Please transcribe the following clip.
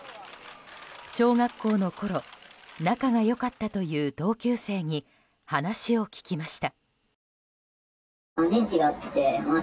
小学校のころ仲が良かったという同級生に話を聞きました。